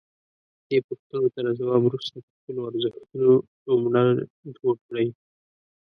دې پوښتنو ته له ځواب وروسته د خپلو ارزښتونو نوملړ جوړ کړئ.